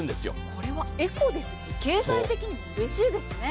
これはエコですし経済的にもうれしいですね。